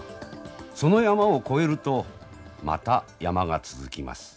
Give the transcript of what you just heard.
その山を越えるとまた山が続きます。